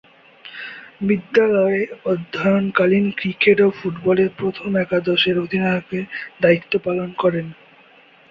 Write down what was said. বিদ্যালয়ে অধ্যয়নকালীন ক্রিকেট ও ফুটবলে প্রথম একাদশের অধিনায়কের দায়িত্ব পালন করেন।